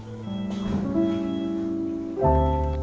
agar lebih pulih